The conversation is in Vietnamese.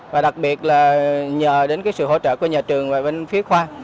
và đặc biệt là nhờ đến cái sự hỗ trợ của nhà trường và bên phía khoa